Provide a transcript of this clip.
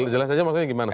jelas aja maksudnya gimana